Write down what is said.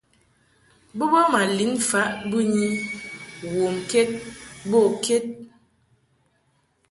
Bo bə ma lin faʼ bɨnyi womked bo ked.